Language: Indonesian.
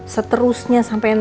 seterusnya sampai nanti